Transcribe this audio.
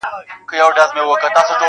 • سینه غواړمه چي تاب د لمبو راوړي,